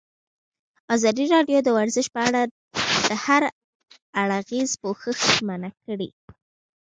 ازادي راډیو د ورزش په اړه د هر اړخیز پوښښ ژمنه کړې.